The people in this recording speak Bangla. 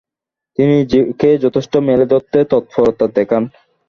তিনি নিজেকে যথেষ্ট মেলে ধরতে তৎপরতা দেখান।